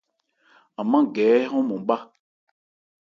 An mân gɛ hɛ ɔ́nmɔn má.